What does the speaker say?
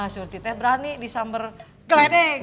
surtite berani disamber geledeng